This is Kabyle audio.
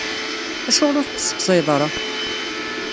Acuɣer ur t-tesseqsayeḍ ara?